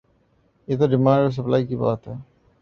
یہ تو ڈیمانڈ اور سپلائی کی بات ہے۔